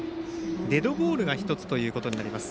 デッドボールが１つということになります。